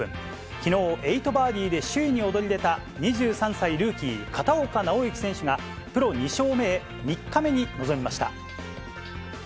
きのう、８バーディーで首位に躍り出た２３歳ルーキー、片岡尚之選手が、プロ２勝目へ、３日目に臨みました。